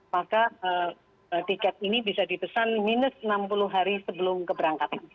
maka tiket ini bisa dipesan minus enam puluh hari sebelum keberangkatan